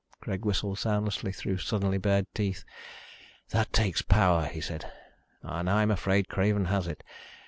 Greg whistled soundlessly through suddenly bared teeth. "That takes power," he said, "and I'm afraid Craven has it.